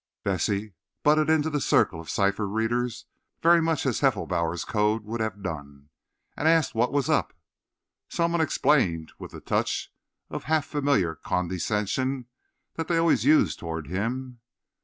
Vesey butted into the circle of cipher readers very much as Heffelbauer's "code" would have done, and asked what was up. Some one explained, with the touch of half familiar condescension that they always used toward him.